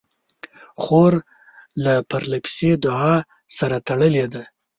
خور له پرله پسې دعا سره تړلې ده.